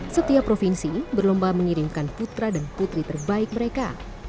setiap provinsi berlomba mengirimkan putra dan putri terbaik mereka